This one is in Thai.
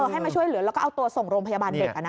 ให้มาช่วยเหลือแล้วก็เอาตัวส่งโรงพยาบาลเด็ก